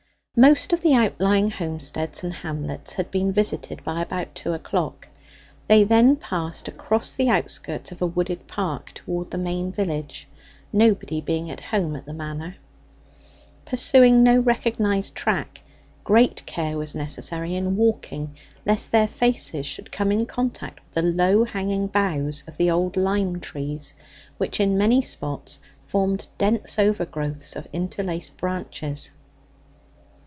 Most of the outlying homesteads and hamlets had been visited by about two o'clock; they then passed across the outskirts of a wooded park toward the main village, nobody being at home at the Manor. Pursuing no recognized track, great care was necessary in walking lest their faces should come in contact with the low hanging boughs of the old lime trees, which in many spots formed dense over growths of interlaced branches.